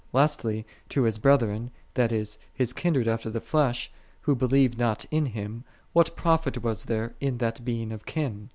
'* Lastly, to His brethren, that is, His kindred after the flesh, who believed not in Him, what profit was there in that being of kin